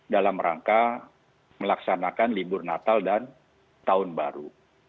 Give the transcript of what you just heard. dalam rangka melaksanakan libur natal dan tahun baru